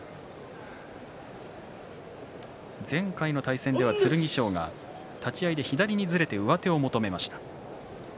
前回は剣翔が立ち合いで左にずれて上手を求めました。